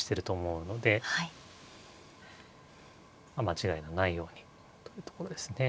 間違いのないようにというところですね。